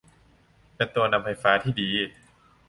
เป็นตัวนำไฟฟ้าที่ดี